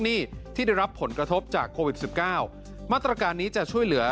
หนี้ที่ได้รับผลกระทบจากโควิดสิบเก้ามาตรการนี้จะช่วยเหลือ